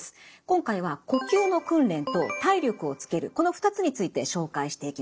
今回は呼吸の訓練と体力をつけるこの２つについて紹介していきます。